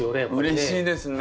うれしいですね